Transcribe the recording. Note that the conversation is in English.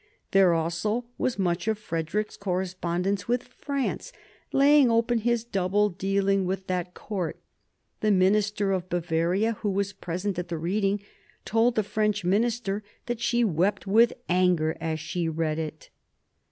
There also was much of Frederick's correspond ence with France, laying open his double dealing with that court. The minister of Bavaria, who was present at the reading, told the French minister that she wept with anger as she read it.